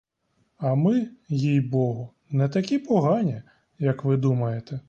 А ми, їй-богу, не такі погані, як ви думаєте.